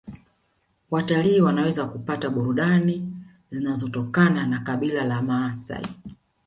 Watalii wanaweza kupata burudani zinazotokana na kabila la maasai